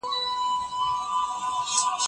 دا یوه لویه او پیچلې علمي ستونزه ده.